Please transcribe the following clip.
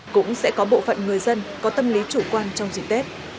cũng sẽ có bộ phận người dân có tâm lý chủ quan trong dịp tết